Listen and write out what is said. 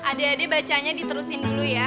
adik adik bacanya diterusin dulu ya